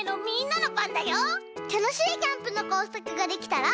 たのしいキャンプのこうさくができたら。